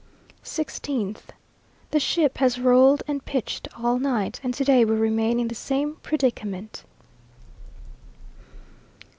16th. The ship has rolled and pitched all night, and to day we remain in the same predicament.